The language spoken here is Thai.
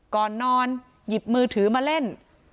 ก่อนนอนหยิบมือถือมาเล่น